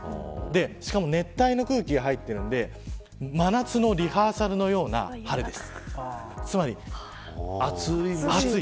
しかも熱帯の空気が入るので真夏のリハーサルのような晴れです。